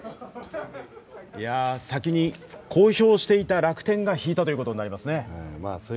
先に公表していた楽天が引いたということになりますね。